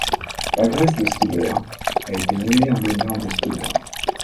L'Agreste de Stauder a été nommé en l'honneur de Stauder.